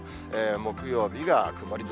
木曜日が曇り空。